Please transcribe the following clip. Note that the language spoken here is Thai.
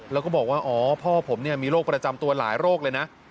แล้วก็บอกว่าอ๋อพ่อผมมีโรคประจำตัวหลายโรคเลยนะ